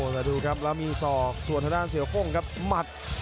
แต่ดูครับแล้วมีซอกส่วนอาทางเสียพ่งมัด